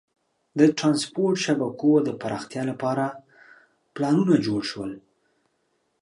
د ترانسپورت شبکو د پراختیا لپاره پلانونه جوړ شول.